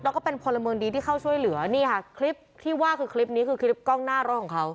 แล้วก็เป็นพลเมืองดีที่เข้าช่วยเหลือนี่ค่ะคลิปที่ว่าคือคลิปนี้คือคลิปกล้องหน้ารถของเขา